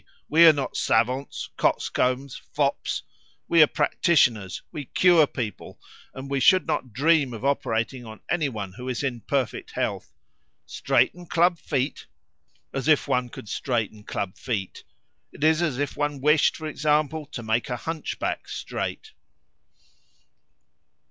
We are not savants, coxcombs, fops! We are practitioners; we cure people, and we should not dream of operating on anyone who is in perfect health. Straighten club feet! As if one could straighten club feet! It is as if one wished, for example, to make a hunchback straight!"